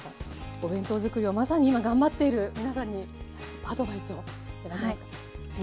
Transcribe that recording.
お弁当づくりをまさに今頑張っている皆さんにアドバイスを頂けますか。